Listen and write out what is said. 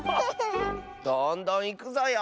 どんどんいくぞよ。